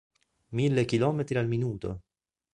Mille chilometri al minuto!